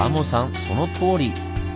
そのとおり！